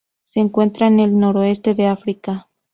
Se encuentra en el noroeste de África.